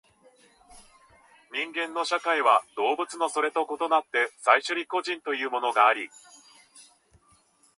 人間の社会は動物のそれと異なって最初より個人というものがあり、